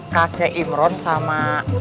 kakek imron sama